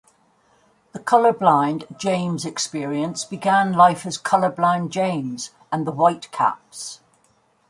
The Colorblind James Experience began life as Colorblind James and The White Caps.